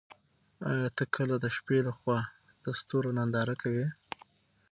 ایا ته کله د شپې له خوا د ستورو ننداره کوې؟